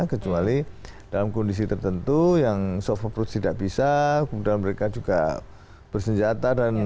kecuali dalam kondisi tertentu yang soft approach tidak bisa kemudian mereka juga bersenjata dan